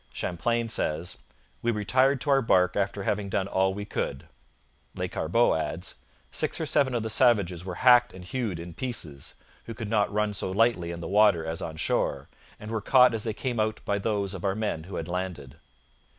Champlain says: 'We retired to our barque after having done all we could.' Lescarbot adds: 'Six or seven of the savages were hacked and hewed in pieces, who could not run so lightly in the water as on shore, and were caught as they came out by those of our men who had landed.'